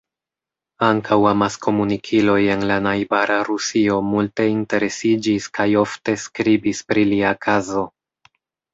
Ankaŭ amaskomunikiloj en la najbara Rusio multe interesiĝis kaj ofte skribis pri lia kazo.